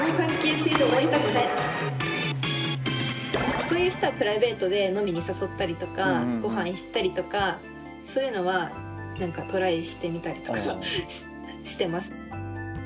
そういう人はプライベートで飲みに誘ったりとかごはん行ったりとかそういうのはトライしてみたりとかしてます。